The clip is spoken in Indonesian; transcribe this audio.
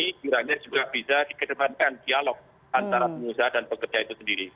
kiranya juga bisa dikedepankan dialog antara pengusaha dan pekerja itu sendiri